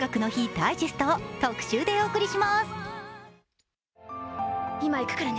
ダイジェストを特集でお送りします。